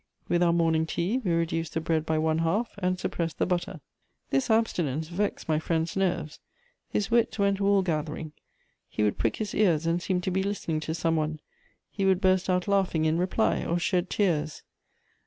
With our morning tea we reduced the bread by one half, and suppressed the butter. This abstinence vexed my friend's nerves. His wits went wool gathering; he would prick his ears and seem to be listening to some one; he would burst out laughing in reply, or shed tears.